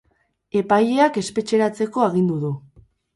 Epaileak espetxeratzeko agindu du.